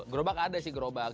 gerobak ada sih gerobak